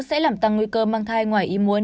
sẽ làm tăng nguy cơ mang thai ngoài ý muốn